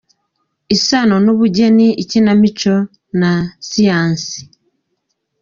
isano n’ubugeni, ikinamico na siyansi.